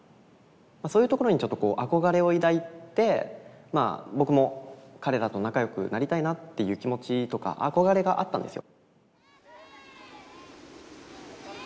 そういうところにちょっとこう憧れを抱いてまあ僕も彼らと仲良くなりたいなっていう気持ちとか憧れがあったんですよ。